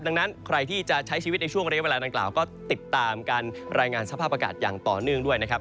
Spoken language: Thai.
ดังนั้นใครที่จะใช้ชีวิตในช่วงเรียกเวลานางกล่าวก็ติดตามการรายงานสภาพอากาศอย่างต่อเนื่องด้วยนะครับ